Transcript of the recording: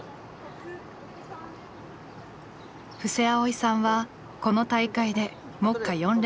布施蒼依さんはこの大会で目下４連覇中。